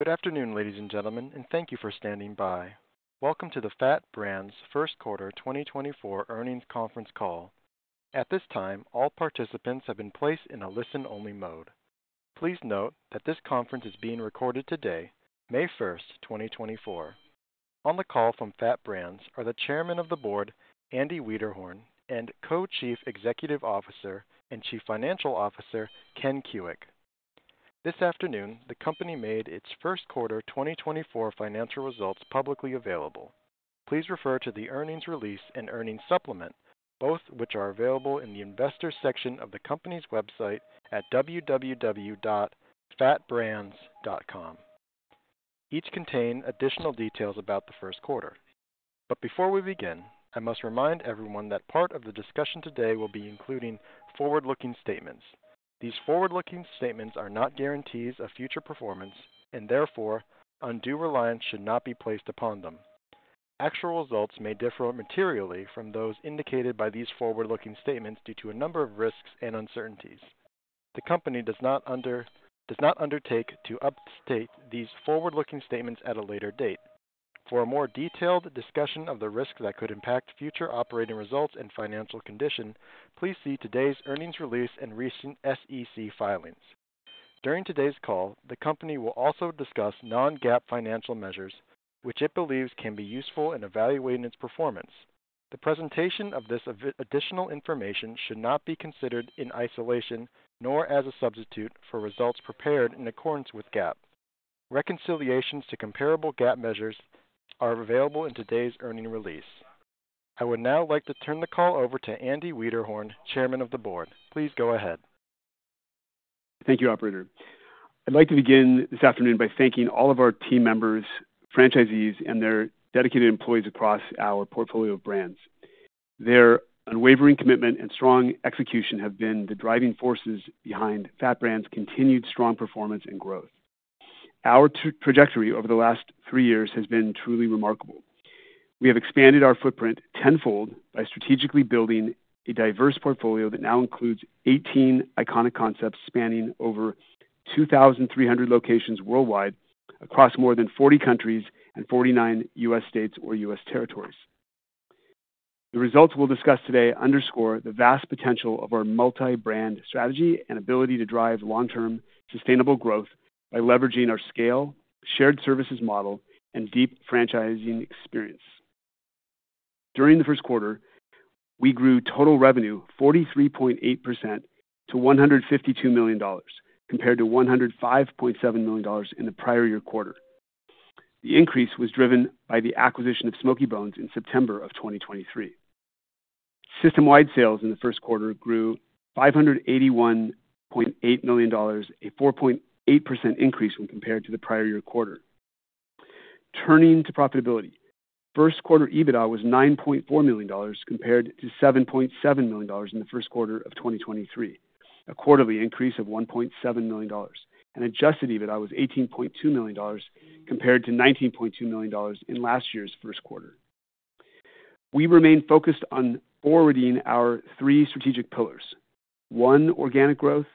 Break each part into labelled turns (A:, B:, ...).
A: Good afternoon, ladies and gentlemen, and thank you for standing by. Welcome to the FAT Brands First Quarter 2024 Earnings Conference Call. At this time, all participants have been placed in a listen-only mode. Please note that this conference is being recorded today, May 1st, 2024. On the call from FAT Brands are the Chairman of the Board, Andy Wiederhorn, and Co-Chief Executive Officer and Chief Financial Officer, Ken Kuick. This afternoon, the company made its First Quarter 2024 financial results publicly available. Please refer to the earnings release and earnings supplement, both which are available in the Investors section of the company's website at www.fatbrands.com. Each contain additional details about the first quarter. But before we begin, I must remind everyone that part of the discussion today will be including forward-looking statements. These forward-looking statements are not guarantees of future performance, and therefore, undue reliance should not be placed upon them. Actual results may differ materially from those indicated by these forward-looking statements due to a number of risks and uncertainties. The company does not undertake to update these forward-looking statements at a later date. For a more detailed discussion of the risks that could impact future operating results and financial condition, please see today's earnings release and recent SEC filings. During today's call, the company will also discuss non-GAAP financial measures, which it believes can be useful in evaluating its performance. The presentation of this additional information should not be considered in isolation nor as a substitute for results prepared in accordance with GAAP. Reconciliations to comparable GAAP measures are available in today's earnings release. I would now like to turn the call over to Andy Wiederhorn, Chairman of the Board. Please go ahead.
B: Thank you, Operator. I'd like to begin this afternoon by thanking all of our team members, franchisees, and their dedicated employees across our portfolio of brands. Their unwavering commitment and strong execution have been the driving forces behind FAT Brands' continued strong performance and growth. Our trajectory over the last three years has been truly remarkable. We have expanded our footprint tenfold by strategically building a diverse portfolio that now includes 18 iconic concepts spanning over 2,300 locations worldwide across more than 40 countries and 49 U.S. states or U.S. territories. The results we'll discuss today underscore the vast potential of our multi-brand strategy and ability to drive long-term, sustainable growth by leveraging our scale, shared services model, and deep franchising experience. During the first quarter, we grew total revenue 43.8% to $152 million, compared to $105.7 million in the prior year quarter. The increase was driven by the acquisition of Smokey Bones in September of 2023. System-wide sales in the first quarter grew $581.8 million, a 4.8% increase when compared to the prior year quarter. Turning to profitability: first quarter EBITDA was $9.4 million compared to $7.7 million in the first quarter of 2023, a quarterly increase of $1.7 million, and adjusted EBITDA was $18.2 million compared to $19.2 million in last year's first quarter. We remain focused on forwarding our three strategic pillars: 1) organic growth,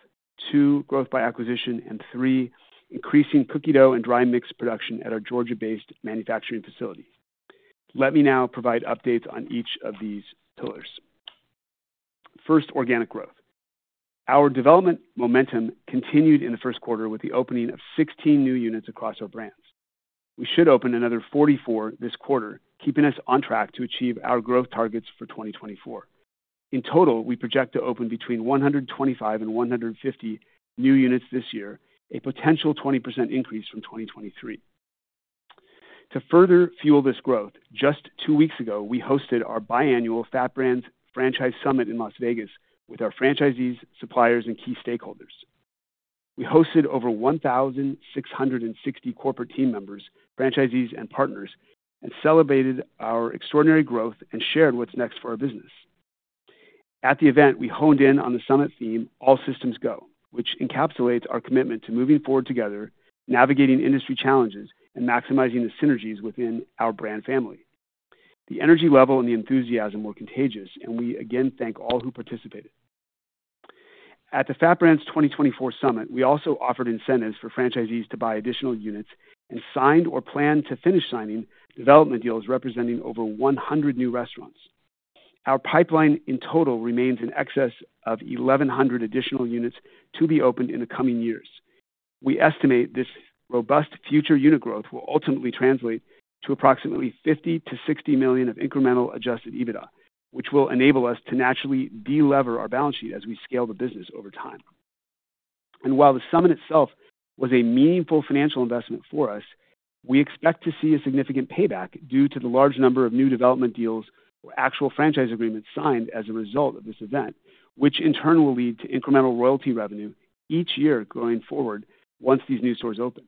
B: 2) growth by acquisition, and 3) increasing cookie dough and dry mix production at our Georgia-based manufacturing facility. Let me now provide updates on each of these pillars. First, organic growth. Our development momentum continued in the first quarter with the opening of 16 new units across our brands. We should open another 44 this quarter, keeping us on track to achieve our growth targets for 2024. In total, we project to open between 125 and 150 new units this year, a potential 20% increase from 2023. To further fuel this growth, just 2 weeks ago, we hosted our biannual FAT Brands Franchise Summit in Las Vegas with our franchisees, suppliers, and key stakeholders. We hosted over 1,660 corporate team members, franchisees, and partners, and celebrated our extraordinary growth and shared what's next for our business. At the event, we honed in on the summit theme "All Systems Go," which encapsulates our commitment to moving forward together, navigating industry challenges, and maximizing the synergies within our brand family. The energy level and the enthusiasm were contagious, and we again thank all who participated. At the FAT Brands 2024 Summit, we also offered incentives for franchisees to buy additional units and signed or planned to finish signing development deals representing over 100 new restaurants. Our pipeline in total remains in excess of 1,100 additional units to be opened in the coming years. We estimate this robust future unit growth will ultimately translate to approximately $50 million-$60 million of incremental Adjusted EBITDA, which will enable us to naturally de-lever our balance sheet as we scale the business over time. And while the summit itself was a meaningful financial investment for us, we expect to see a significant payback due to the large number of new development deals or actual franchise agreements signed as a result of this event, which in turn will lead to incremental royalty revenue each year going forward once these new stores open.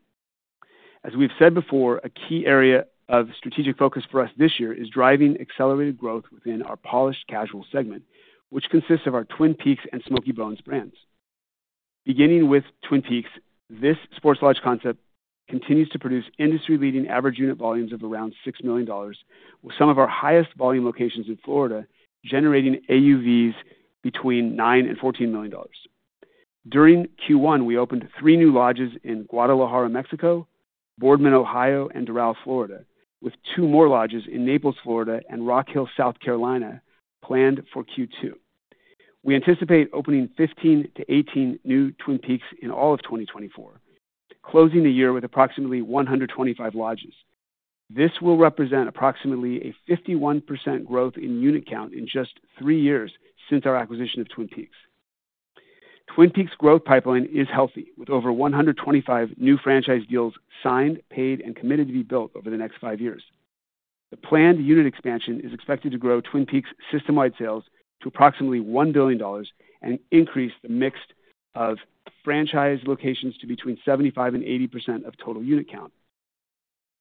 B: As we've said before, a key area of strategic focus for us this year is driving accelerated growth within our polished casual segment, which consists of our Twin Peaks and Smokey Bones brands. Beginning with Twin Peaks, this sports lodge concept continues to produce industry-leading average unit volumes of around $6 million, with some of our highest volume locations in Florida generating AUVs between $9 million-$14 million. During Q1, we opened three new lodges in Guadalajara, Mexico, Boardman, Ohio, and Doral, Florida, with two more lodges in Naples, Florida, and Rock Hill, South Carolina, planned for Q2. We anticipate opening 15 to 18 new Twin Peaks in all of 2024, closing the year with approximately 125 lodges. This will represent approximately a 51% growth in unit count in just three years since our acquisition of Twin Peaks. Twin Peaks' growth pipeline is healthy, with over 125 new franchise deals signed, paid, and committed to be built over the next five years. The planned unit expansion is expected to grow Twin Peaks' system-wide sales to approximately $1 billion and increase the mix of franchise locations to between 75%-80% of total unit count.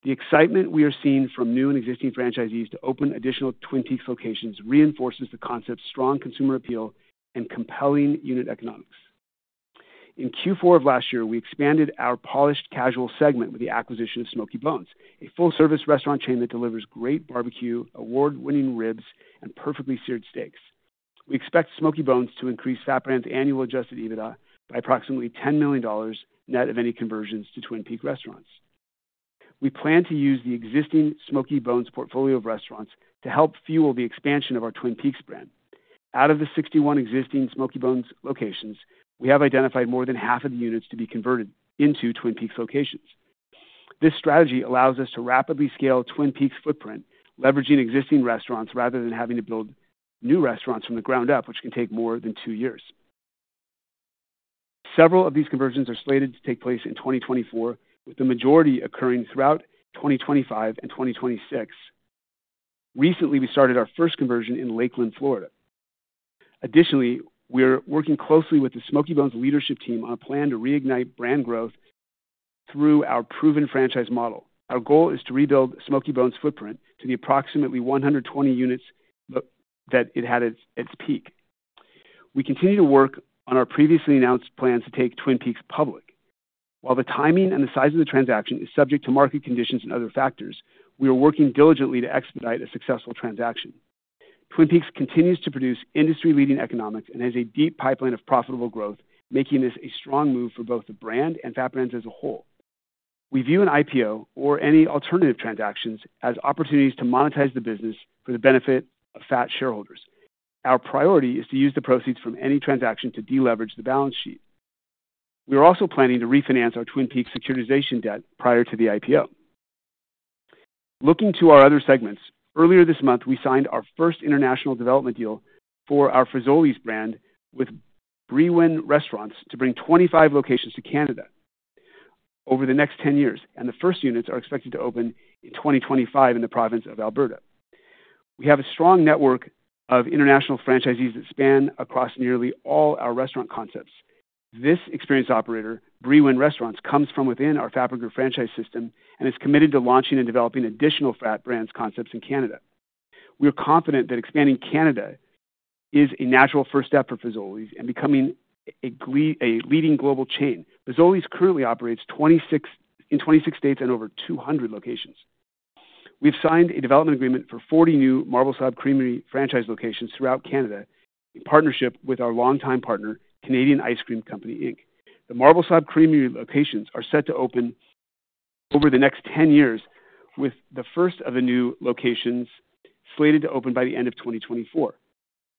B: The excitement we are seeing from new and existing franchisees to open additional Twin Peaks locations reinforces the concept's strong consumer appeal and compelling unit economics. In Q4 of last year, we expanded our polished casual segment with the acquisition of Smokey Bones, a full-service restaurant chain that delivers great barbecue, award-winning ribs, and perfectly seared steaks. We expect Smokey Bones to increase FAT Brands' annual adjusted EBITDA by approximately $10 million net of any conversions to Twin Peaks restaurants. We plan to use the existing Smokey Bones portfolio of restaurants to help fuel the expansion of our Twin Peaks brand. Out of the 61 existing Smokey Bones locations, we have identified more than half of the units to be converted into Twin Peaks locations. This strategy allows us to rapidly scale Twin Peaks' footprint, leveraging existing restaurants rather than having to build new restaurants from the ground up, which can take more than 2 years. Several of these conversions are slated to take place in 2024, with the majority occurring throughout 2025 and 2026. Recently, we started our first conversion in Lakeland, Florida. Additionally, we're working closely with the Smokey Bones leadership team on a plan to reignite brand growth through our proven franchise model. Our goal is to rebuild Smokey Bones' footprint to the approximately 120 units that it had at its peak. We continue to work on our previously announced plans to take Twin Peaks public. While the timing and the size of the transaction is subject to market conditions and other factors, we are working diligently to expedite a successful transaction. Twin Peaks continues to produce industry-leading economics and has a deep pipeline of profitable growth, making this a strong move for both the brand and FAT Brands as a whole. We view an IPO or any alternative transactions as opportunities to monetize the business for the benefit of FAT shareholders. Our priority is to use the proceeds from any transaction to de-leverage the balance sheet. We are also planning to refinance our Twin Peaks securitization debt prior to the IPO. Looking to our other segments, earlier this month we signed our first international development deal for our Fazoli's brand with Briwin Restaurants to bring 25 locations to Canada over the next 10 years, and the first units are expected to open in 2025 in the province of Alberta. We have a strong network of international franchisees that span across nearly all our restaurant concepts. This experienced operator, Briwin Restaurants, comes from within our FAT Brands franchise system and is committed to launching and developing additional FAT Brands concepts in Canada. We are confident that expanding Canada is a natural first step for Fazoli's and becoming a leading global chain. Fazoli's currently operates in 26 states and over 200 locations. We have signed a development agreement for 40 new Marble Slab Creamery franchise locations throughout Canada in partnership with our longtime partner, Canadian Ice Cream Company, Inc. The Marble Slab Creamery locations are set to open over the next 10 years, with the first of the new locations slated to open by the end of 2024.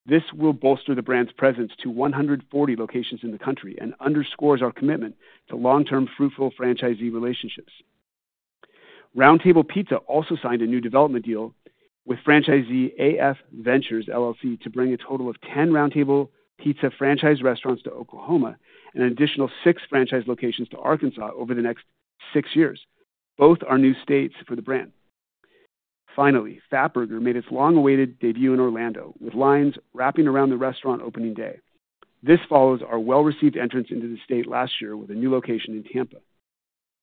B: This will bolster the brand's presence to 140 locations in the country and underscores our commitment to long-term, fruitful franchisee relationships. Round Table Pizza also signed a new development deal with franchisee AF Ventures, LLC, to bring a total of 10 Round Table Pizza franchise restaurants to Oklahoma and an additional 6 franchise locations to Arkansas over the next 6 years, both our new states for the brand. Finally, Fatburger made its long-awaited debut in Orlando, with lines wrapping around the restaurant opening day. This follows our well-received entrance into the state last year with a new location in Tampa.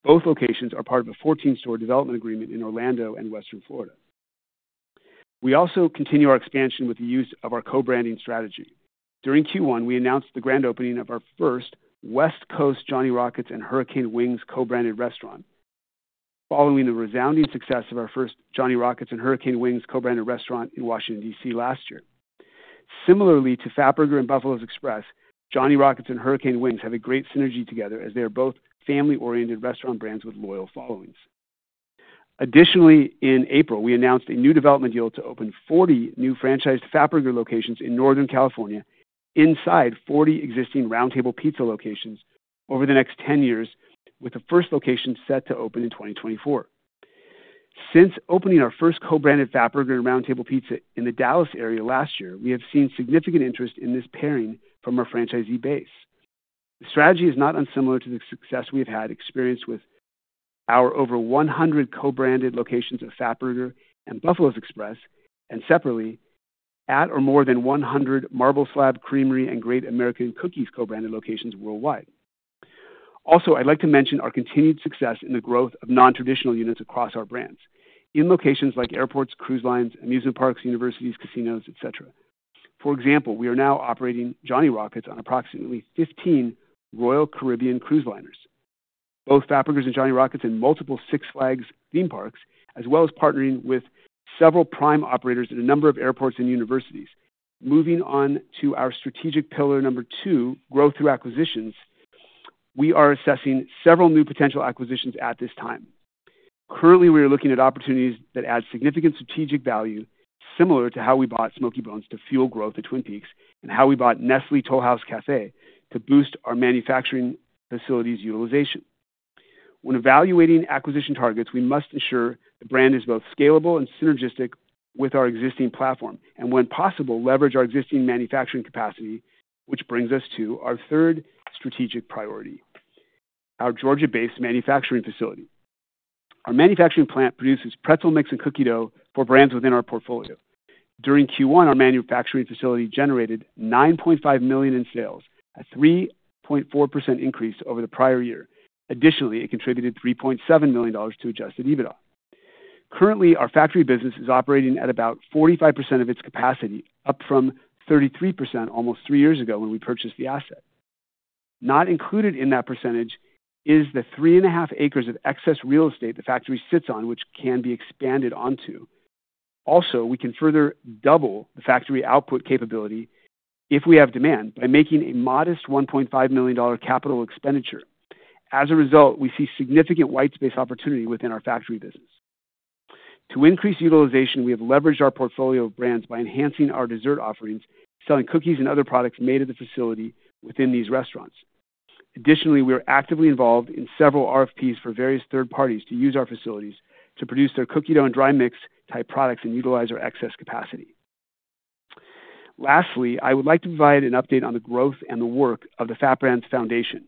B: Both locations are part of a 14-store development agreement in Orlando and Western Florida. We also continue our expansion with the use of our co-branding strategy. During Q1, we announced the grand opening of our first West Coast Johnny Rockets and Hurricane Grill & Wings co-branded restaurant, following the resounding success of our first Johnny Rockets and Hurricane Grill & Wings co-branded restaurant in Washington, D.C., last year. Similarly to Fatburger and Buffalo's Express, Johnny Rockets and Hurricane Grill & Wings have a great synergy together as they are both family-oriented restaurant brands with loyal followings. Additionally, in April, we announced a new development deal to open 40 new franchised Fatburger locations in Northern California inside 40 existing Round Table Pizza locations over the next 10 years, with the first location set to open in 2024. Since opening our first co-branded Fatburger and Round Table Pizza in the Dallas area last year, we have seen significant interest in this pairing from our franchisee base. The strategy is not unsimilar to the success we have had experienced with our over 100 co-branded locations of Fatburger and Buffalo's Express and, separately, or more than 100 Marble Slab Creamery and Great American Cookies co-branded locations worldwide. Also, I'd like to mention our continued success in the growth of non-traditional units across our brands, in locations like airports, cruise lines, amusement parks, universities, casinos, etc. For example, we are now operating Johnny Rockets on approximately 15 Royal Caribbean cruise liners, both Fatburgers and Johnny Rockets in multiple Six Flags theme parks, as well as partnering with several prime operators in a number of airports and universities. Moving on to our strategic pillar number two, growth through acquisitions, we are assessing several new potential acquisitions at this time. Currently, we are looking at opportunities that add significant strategic value, similar to how we bought Smokey Bones to fuel growth at Twin Peaks and how we bought Nestlé Toll House Café to boost our manufacturing facilities utilization. When evaluating acquisition targets, we must ensure the brand is both scalable and synergistic with our existing platform and, when possible, leverage our existing manufacturing capacity, which brings us to our third strategic priority: our Georgia-based manufacturing facility. Our manufacturing plant produces pretzel mix and cookie dough for brands within our portfolio. During Q1, our manufacturing facility generated $9.5 million in sales, a 3.4% increase over the prior year. Additionally, it contributed $3.7 million to adjusted EBITDA. Currently, our factory business is operating at about 45% of its capacity, up from 33% almost three years ago when we purchased the asset. Not included in that percentage is the 3.5 acres of excess real estate the factory sits on, which can be expanded onto. Also, we can further double the factory output capability if we have demand by making a modest $1.5 million capital expenditure. As a result, we see significant white space opportunity within our factory business. To increase utilization, we have leveraged our portfolio of brands by enhancing our dessert offerings, selling cookies and other products made at the facility within these restaurants. Additionally, we are actively involved in several RFPs for various third parties to use our facilities to produce their cookie dough and dry mix type products and utilize our excess capacity. Lastly, I would like to provide an update on the growth and the work of the FAT Brands Foundation.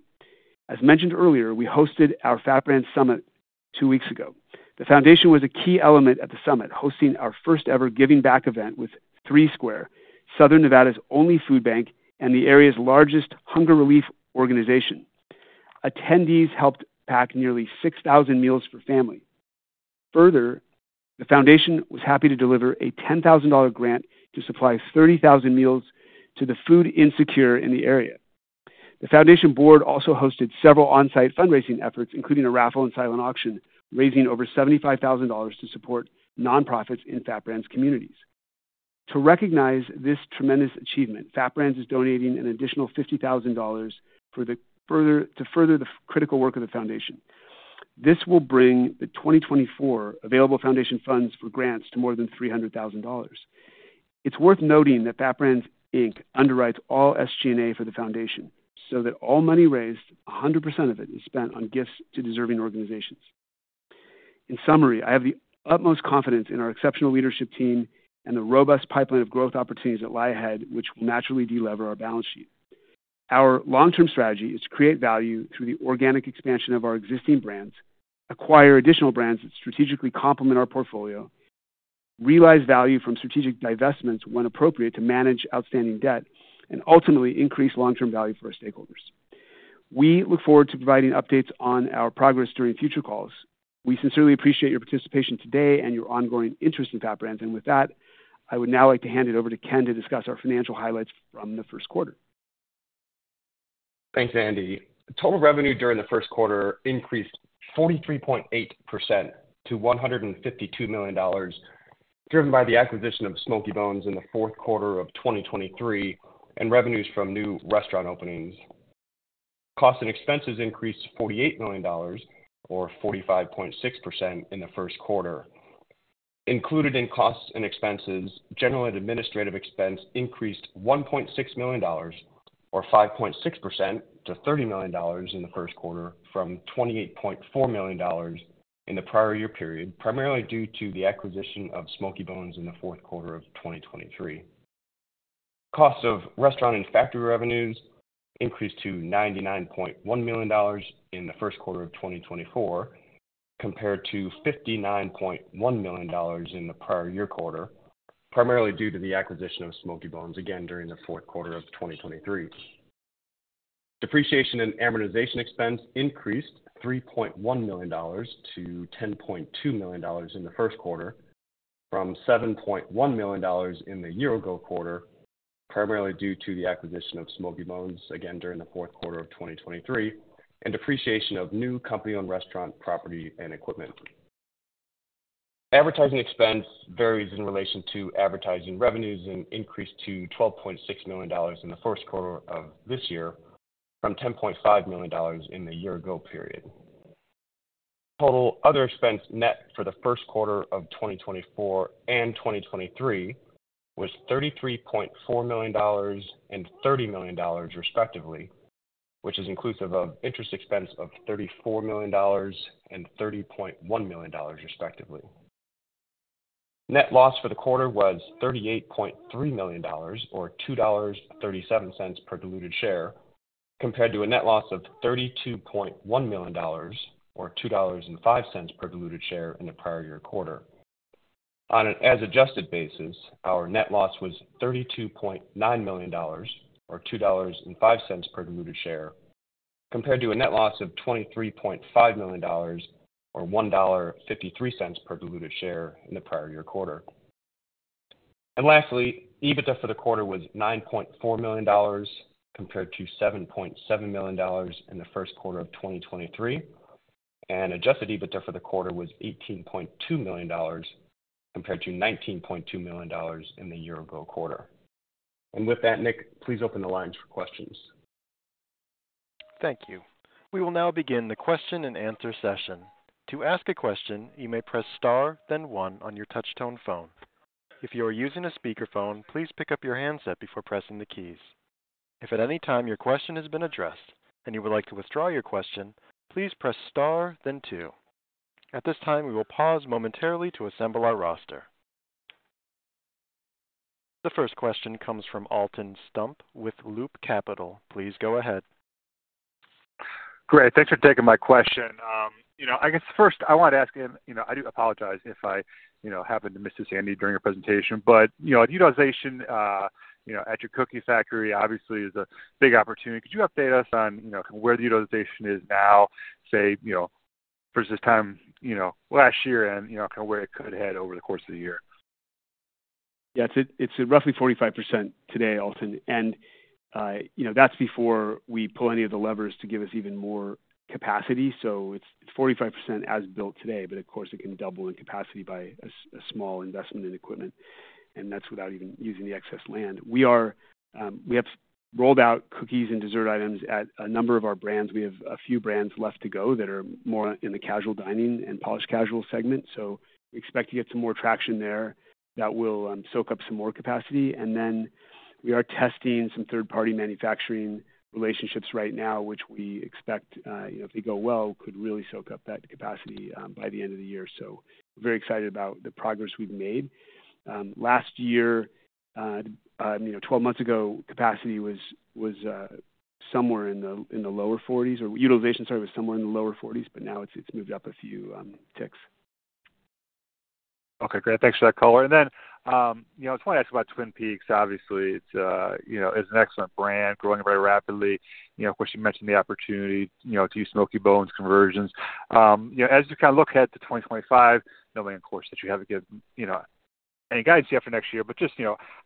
B: As mentioned earlier, we hosted our FAT Brands Summit two weeks ago. The foundation was a key element at the summit, hosting our first-ever giving-back event with Three Square, Southern Nevada's only food bank, and the area's largest hunger relief organization. Attendees helped pack nearly 6,000 meals for family. Further, the foundation was happy to deliver a $10,000 grant to supply 30,000 meals to the food insecure in the area. The foundation board also hosted several on-site fundraising efforts, including a raffle and silent auction, raising over $75,000 to support nonprofits in FAT Brands communities. To recognize this tremendous achievement, FAT Brands is donating an additional $50,000 to further the critical work of the foundation. This will bring the 2024 available foundation funds for grants to more than $300,000. It's worth noting that FAT Brands, Inc., underwrites all SG&A for the foundation, so that all money raised, 100% of it, is spent on gifts to deserving organizations. In summary, I have the utmost confidence in our exceptional leadership team and the robust pipeline of growth opportunities that lie ahead, which will naturally de-lever our balance sheet. Our long-term strategy is to create value through the organic expansion of our existing brands, acquire additional brands that strategically complement our portfolio, realize value from strategic divestments when appropriate to manage outstanding debt, and ultimately increase long-term value for our stakeholders. We look forward to providing updates on our progress during future calls. We sincerely appreciate your participation today and your ongoing interest in FAT Brands. And with that, I would now like to hand it over to Ken to discuss our financial highlights from the first quarter.
C: Thanks, Andy. Total revenue during the first quarter increased 43.8% to $152 million, driven by the acquisition of Smokey Bones in the fourth quarter of 2023 and revenues from new restaurant openings. Costs and expenses increased $48 million, or 45.6%, in the first quarter. Included in costs and expenses, general and administrative expense increased $1.6 million, or 5.6%, to $30 million in the first quarter from $28.4 million in the prior year period, primarily due to the acquisition of Smokey Bones in the fourth quarter of 2023. Costs of restaurant and factory revenues increased to $99.1 million in the first quarter of 2024 compared to $59.1 million in the prior year quarter, primarily due to the acquisition of Smokey Bones, again during the fourth quarter of 2023. Depreciation and amortization expense increased $3.1 million to $10.2 million in the first quarter from $7.1 million in the year-ago quarter, primarily due to the acquisition of Smokey Bones, again during the fourth quarter of 2023, and depreciation of new company-owned restaurant property and equipment. Advertising expense varies in relation to advertising revenues and increased to $12.6 million in the first quarter of this year from $10.5 million in the year-ago period. Total other expense net for the first quarter of 2024 and 2023 was $33.4 million and $30 million, respectively, which is inclusive of interest expense of $34 million and $30.1 million, respectively. Net loss for the quarter was $38.3 million, or $2.37 per diluted share, compared to a net loss of $32.1 million, or $2.05 per diluted share in the prior year quarter. On an adjusted basis, our net loss was $32.9 million, or $2.05 per diluted share, compared to a net loss of $23.5 million, or $1.53 per diluted share in the prior year quarter. And lastly, EBITDA for the quarter was $9.4 million compared to $7.7 million in the first quarter of 2023, and adjusted EBITDA for the quarter was $18.2 million compared to $19.2 million in the year-ago quarter. And with that, Nick, please open the lines for questions.
A: Thank you. We will now begin the question and answer session. To ask a question, you may press star, then one, on your touch-tone phone. If you are using a speakerphone, please pick up your handset before pressing the keys. If at any time your question has been addressed and you would like to withdraw your question, please press star, then two. At this time, we will pause momentarily to assemble our roster. The first question comes from Alton Stump with Loop Capital Markets. Please go ahead.
D: Great. Thanks for taking my question. I guess first, I wanted to ask him. I do apologize if I happened to miss this, Andy, during your presentation. But utilization at your cookie factory, obviously, is a big opportunity. Could you update us on kind of where the utilization is now, say, versus this time last year and kind of where it could head over the course of the year?
B: Yeah. It's at roughly 45% today, Alton. And that's before we pull any of the levers to give us even more capacity. So, it's 45% as built today, but of course, it can double in capacity by a small investment in equipment, and that's without even using the excess land. We have rolled out cookies and dessert items at a number of our brands. We have a few brands left to go that are more in the casual dining and Polished Casual segment. So, we expect to get some more traction there that will soak up some more capacity. And then we are testing some third-party manufacturing relationships right now, which we expect, if they go well, could really soak up that capacity by the end of the year. So, we're very excited about the progress we've made. Last year, 12 months ago, capacity was somewhere in the lower 40s or utilization, sorry, was somewhere in the lower 40s, but now it's moved up a few ticks.
D: Okay. Great. Thanks for that caller. And then I just wanted to ask about Twin Peaks. Obviously, it's an excellent brand, growing very rapidly. Of course, you mentioned the opportunity to use Smokey Bones conversions. As you kind of look ahead to 2025, now we, of course, haven't given any guidance yet for next year, but just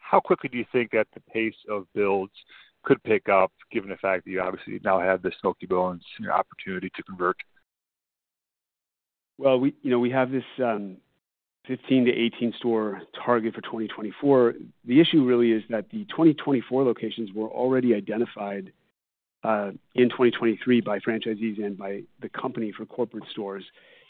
D: how quickly do you think that the pace of builds could pick up, given the fact that you obviously now have the Smokey Bones opportunity to convert?
B: Well, we have this 15-18-store target for 2024. The issue really is that the 2024 locations were already identified in 2023 by franchisees and by the company for corporate stores.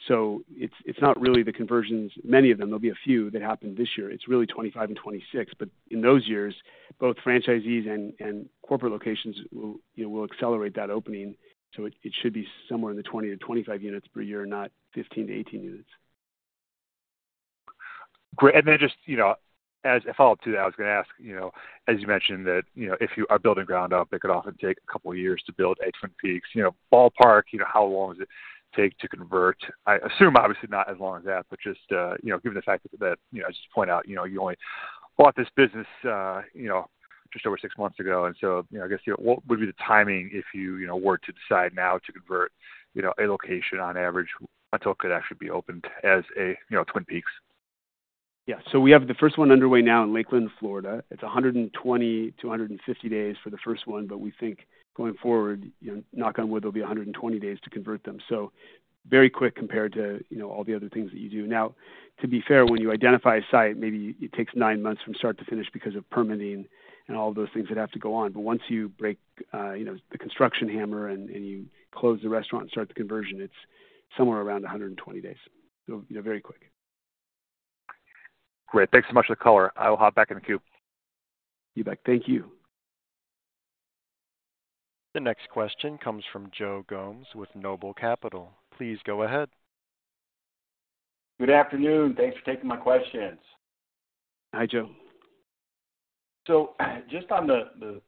B: So, it's not really the conversions, many of them there'll be a few that happen this year. It's really 2025 and 2026. But in those years, both franchisees and corporate locations will accelerate that opening. So, it should be somewhere in the 20-25 units per year, not 15-18 units.
D: Great. And then just as a follow-up to that, I was going to ask, as you mentioned, that if you are building ground up, it could often take a couple of years to build eight Twin Peaks. Ballpark, how long does it take to convert? I assume, obviously, not as long as that, but just given the fact that I just point out, you only bought this business just over six months ago. And so, I guess what would be the timing if you were to decide now to convert a location, on average, until it could actually be opened as a Twin Peaks?
B: Yeah. So, we have the first one underway now in Lakeland, Florida. It's 120-150 days for the first one, but we think going forward, knock on wood, there'll be 120 days to convert them. So very quick compared to all the other things that you do. Now, to be fair, when you identify a site, maybe it takes 9 months from start to finish because of permitting and all of those things that have to go on. But once you break the construction hammer and you close the restaurant and start the conversion, it's somewhere around 120 days. So, very quick.
D: Great. Thanks so much for the caller. I will hop back in the queue.
B: You bet. Thank you.
A: The next question comes from Joe Gomes with Noble Capital Markets. Please go ahead.
E: Good afternoon. Thanks for taking my questions.
B: Hi, Joe.
E: Just on the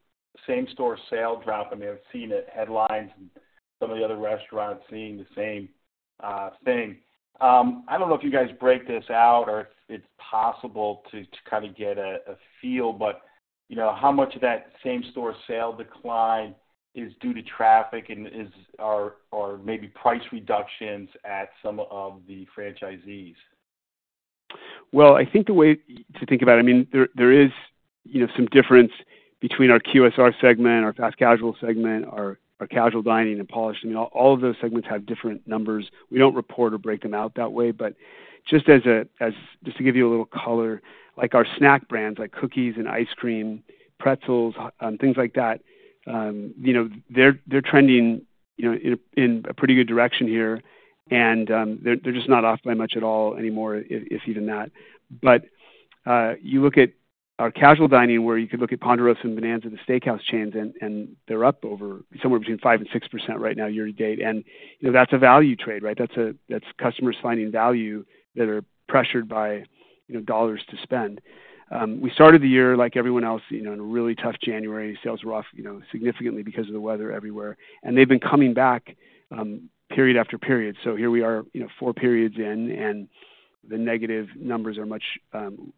E: same-store sales drop, I mean, I've seen it in headlines and some of the other restaurants seeing the same thing. I don't know if you guys break this out or if it's possible to kind of get a feel, but how much of that same-store sales decline is due to traffic and, maybe, price reductions at some of the franchisees?
B: Well, I think the way to think about it, I mean, there is some difference between our QSR segment, our fast casual segment, our casual dining, and polished. I mean, all of those segments have different numbers. We don't report or break them out that way. But just to give you a little color, our snack brands like cookies and ice cream, pretzels, things like that, they're trending in a pretty good direction here, and they're just not off by much at all anymore, if even that. But you look at our casual dining, where you could look at Ponderosa and Bonanza, the steakhouse chains, and they're up somewhere between 5%-6% right now year to date. And that's a value trade, right? That's customers finding value that are pressured by dollars to spend. We started the year like everyone else in a really tough January. Sales were off significantly because of the weather everywhere, and they've been coming back period after period. So here we are 4 periods in, and the negative numbers are much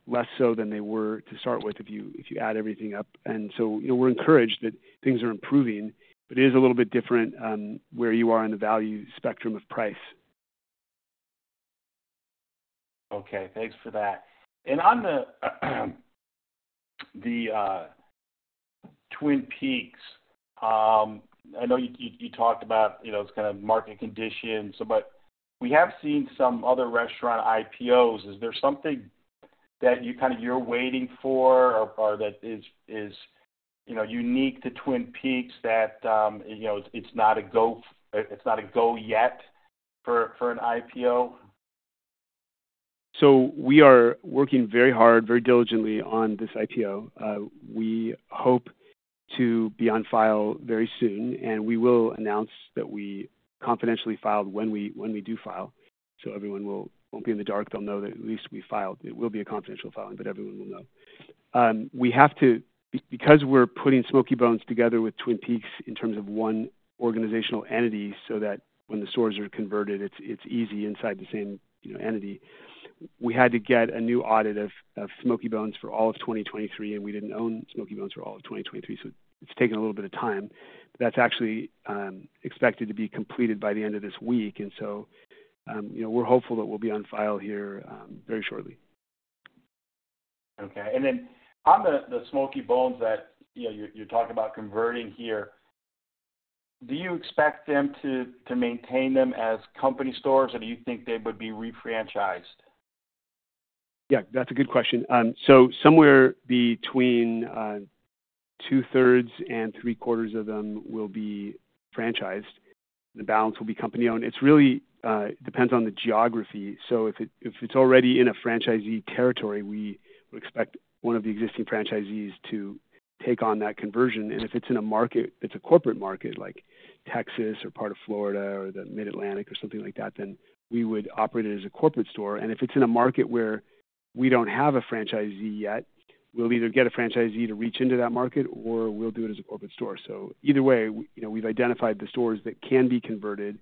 B: less so than they were to start with if you add everything up. And so, we're encouraged that things are improving, but it is a little bit different where you are in the value spectrum of price.
E: Okay. Thanks for that. And on the Twin Peaks, I know you talked about kind of market conditions, but we have seen some other restaurant IPOs. Is there something that you're waiting for or that is unique to Twin Peaks that it's not a go yet for an IPO?
B: So, we are working very hard, very diligently on this IPO. We hope to be on file very soon, and we will announce that we confidentially filed when we do file. So, everyone won't be in the dark. They'll know that at least we filed. It will be a confidential filing, but everyone will know. Because we're putting Smokey Bones together with Twin Peaks in terms of one organizational entity so that when the stores are converted, it's easy inside the same entity, we had to get a new audit of Smokey Bones for all of 2023, and we didn't own Smokey Bones for all of 2023. So, it's taken a little bit of time. That's actually expected to be completed by the end of this week. And so, we're hopeful that we'll be on file here very shortly.
E: Okay. And then on the Smokey Bones that you're talking about converting here, do you expect them to maintain them as company stores, or do you think they would be refranchised?
B: Yeah. That's a good question. So, somewhere between two-thirds and three-quarters of them will be franchised. The balance will be company-owned. It really depends on the geography. So, if it's already in a franchisee territory, we would expect one of the existing franchisees to take on that conversion. And if it's in a market that's a corporate market, like Texas or part of Florida or the Mid-Atlantic or something like that, then we would operate it as a corporate store. And if it's in a market where we don't have a franchisee yet, we'll either get a franchisee to reach into that market or we'll do it as a corporate store. So, either way, we've identified the stores that can be converted.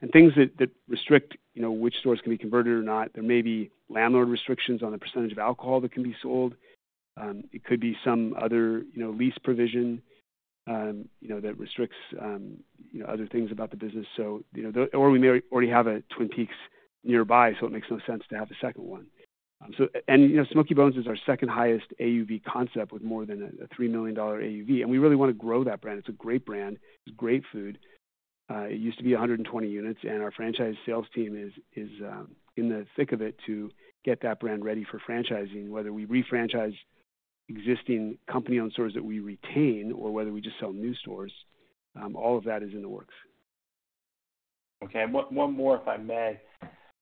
B: And things that restrict which stores can be converted or not, there may be landlord restrictions on the percentage of alcohol that can be sold. It could be some other lease provision that restricts other things about the business. Or we may already have a Twin Peaks nearby, so it makes no sense to have a second one. And Smokey Bones is our second-highest AUV concept with more than a $3 million AUV. And we really want to grow that brand. It's a great brand. It's great food. It used to be 120 units, and our franchise sales team is in the thick of it to get that brand ready for franchising, whether we refranchise existing company-owned stores that we retain or whether we just sell new stores. All of that is in the works.
E: Okay. One more, if I may.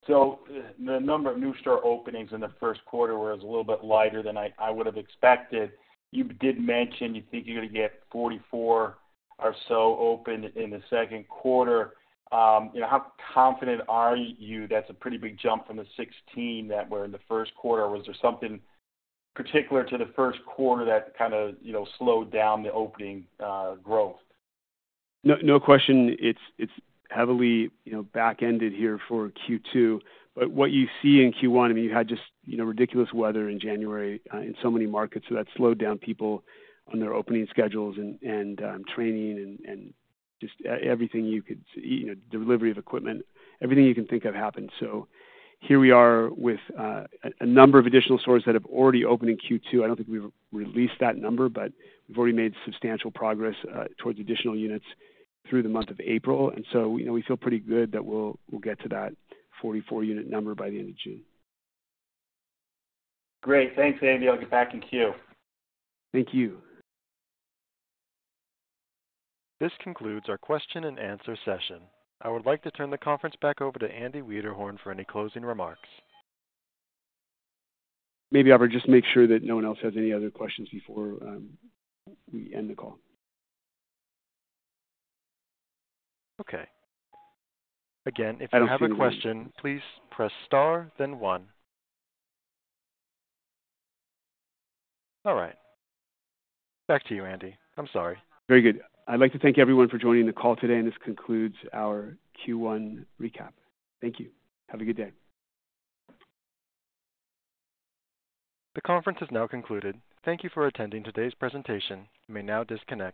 E: The number of new store openings in the first quarter was a little bit lighter than I would have expected. You did mention you think you're going to get 44 or so open in the second quarter. How confident are you that's a pretty big jump from the 16 that were in the first quarter? Was there something particular to the first quarter that kind of slowed down the opening growth?
B: No question. It's heavily back-ended here for Q2. But what you see in Q1, I mean, you had just ridiculous weather in January in so many markets, so that slowed down people on their opening schedules and training and just everything you could see, the delivery of equipment, everything you can think of happened. So, here we are with a number of additional stores that have already opened in Q2. I don't think we've released that number, but we've already made substantial progress towards additional units through the month of April. And so, we feel pretty good that we'll get to that 44-unit number by the end of June.
E: Great. Thanks, Andy. I'll get back in queue.
B: Thank you.
A: This concludes our question and answer session. I would like to turn the conference back over to Andy Wiederhorn for any closing remarks.
B: Maybe I'll just make sure that no one else has any other questions before we end the call.
A: Okay. Again, if you have a question, please press star, then one. All right. Back to you, Andy. I'm sorry.
B: Very good. I'd like to thank everyone for joining the call today, and this concludes our Q1 recap. Thank you. Have a good day.
A: The conference has now concluded. Thank you for attending today's presentation. You may now disconnect.